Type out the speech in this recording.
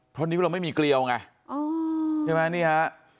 เพราะนิ้วเราไม่มีเกลียวไงใช่ไหมนี่ฮะ